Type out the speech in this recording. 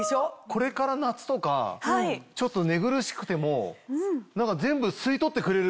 これから夏とかちょっと寝苦しくても。